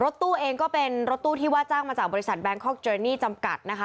ตู้เองก็เป็นรถตู้ที่ว่าจ้างมาจากบริษัทแบงคอกเรนนี่จำกัดนะคะ